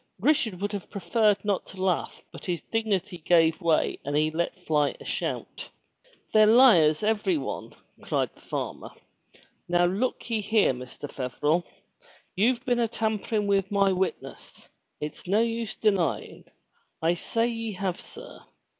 Richard would have preferred not to laugh but his dignity gave way and he let fly a shout. "They're hars, every one!" cried the farmer. "Now look ye here, Mr. Feverel! You've been a tampering with my witness! It's no use denyin' ! I say ye have, sir